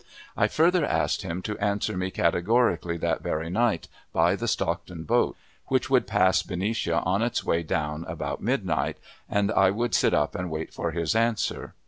I further asked him to answer me categorically that very night, by the Stockton boat, which would pass Benicia on its way down about midnight, and I would sit up and wait for his answer.